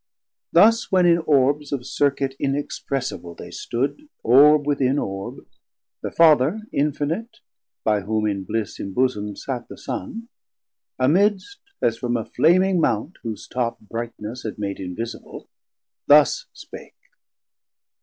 Thus when in Orbes Of circuit inexpressible they stood, Orb within Orb, the Father infinite, By whom in bliss imbosom'd sat the Son, Amidst as from a flaming Mount, whose top Brightness had made invisible, thus spake.